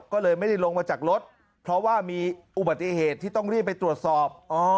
ก็เลยไม่ได้ลงมาจากรถเพราะว่ามีอุบัติเหตุที่ต้องรีบไปตรวจสอบ